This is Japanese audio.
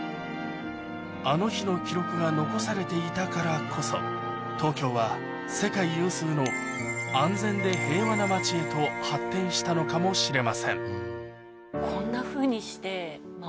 あの日の記録が残されていたからこそ東京は世界有数の安全で平和な町へと発展したのかもしれませんこんなふうにして。